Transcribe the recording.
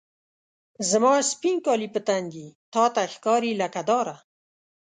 زما سپین کالي په تن دي، تا ته ښکاري لکه داره